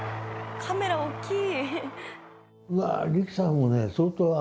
カメラ大きい。